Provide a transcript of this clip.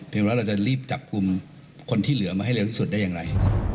ว่าเราจะรีบจับกลุ่มคนที่เหลือมาให้เร็วที่สุดได้อย่างไร